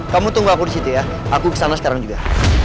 kamu tunggu aku di situ ya aku ke sana sekarang juga